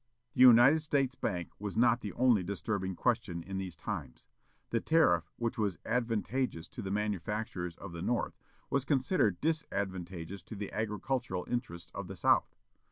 The United States Bank was not the only disturbing question in these times. The tariff, which was advantageous to the manufacturers of the North, was considered disadvantageous to the agricultural interests of the South.